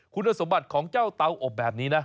คุณสมบัติของเจ้าเตาอบแบบนี้นะ